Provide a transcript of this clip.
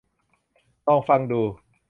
ลองฟังดู